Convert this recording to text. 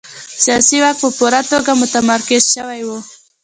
سیاسي واک په پوره توګه متمرکز شوی و.